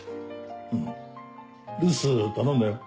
うん留守頼んだよ。